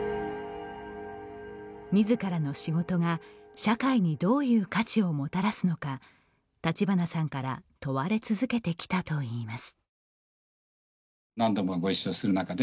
みずからの仕事が、社会にどういう価値をもたらすのか立花さんから問われ続けてきたといいます。